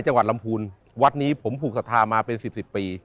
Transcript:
จังหวัดลำพูนวัดนี้ผมผูกศรัทธามาเป็นสิบสิบปี